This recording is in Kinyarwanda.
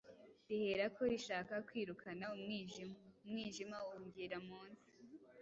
rihera ko rishaka kwirukana umwijima. Umwijima uhungira munsi.